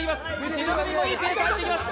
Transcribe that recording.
白組もいいペースで入っています。